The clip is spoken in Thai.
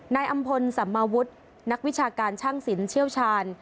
นายอำพลสัมมาวุฒินักวิชาการช่างสินเชี่ยวชาญ